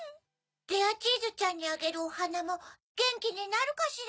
「レアチーズちゃんにあげるおはなもゲンキになるかしら？」